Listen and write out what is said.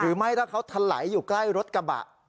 หรือไม่ถ้าเขาถลายอยู่ใกล้รถกระบะ